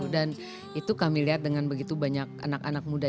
dan itu kami lihat begitu banyak anak anak muda